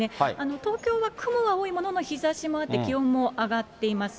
東京は雲は多いものの、日ざしもあって気温も上がっています。